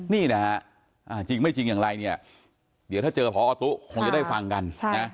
นี่นะฮะจริงไม่จริงอย่างไรเนี่ยเดี๋ยวถ้าเจอพอตุ๊คงจะได้ฟังกันนะ